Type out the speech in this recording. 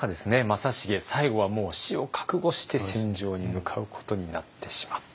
正成最後はもう死を覚悟して戦場に向かうことになってしまった。